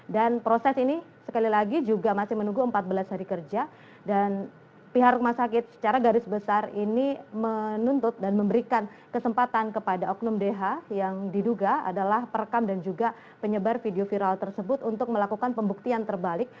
dan proses ini sekali lagi juga masih menunggu empat belas hari kerja dan pihak rumah sakit secara garis besar ini menuntut dan memberikan kesempatan kepada oknum dh yang diduga adalah perekam dan juga penyebar video viral tersebut untuk melakukan pembuktian terbalik